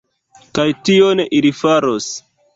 Kaj tion ili faros.